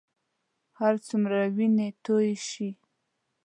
هرڅومره وینې تویې شي.